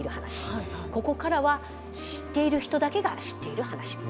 ここからは知っている人だけが知っている話。